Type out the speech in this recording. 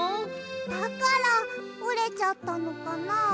だからおれちゃったのかな。